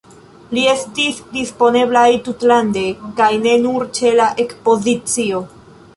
Ili estis disponeblaj tutlande, kaj ne nur ĉe la Ekspozicio.